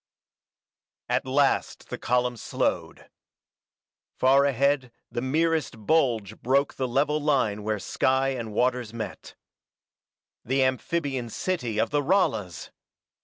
At last the column slowed. Far ahead the merest bulge broke the level line where sky and waters met. The amphibian city of the Ralas!